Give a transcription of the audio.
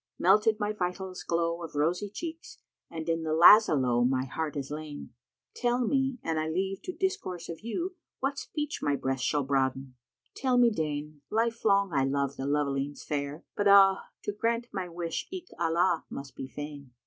Melted my vitals glow of rosy cheeks * And in the Lazá lowe my heart is lain: Tell me, an I leave to discourse of you, * What speech my breast shall broaden? Tell me deign! Life long I loved the lovelings fair, but ah, * To grant my wish eke Allah must be fain!"